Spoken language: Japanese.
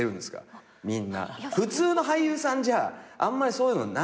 普通の俳優さんじゃあんまりそういうのないでしょ。